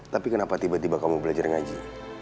tapi kenapa tiba tiba kamu belajar ngaji